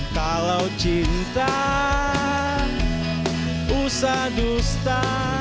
kalau cinta usah dusta